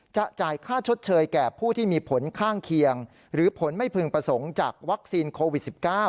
จ่ายค่าชดเชยแก่ผู้ที่มีผลข้างเคียงหรือผลไม่พึงประสงค์จากวัคซีนโควิด๑๙